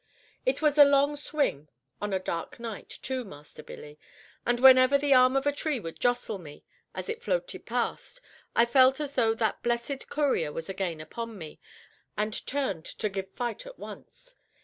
It was a long swim, of a dark night too, Master Billy; and whenever the arm of a tree would jostle me, as it floated past, I felt as though that "blessed" courier was again upon me, and turned to give fight at once.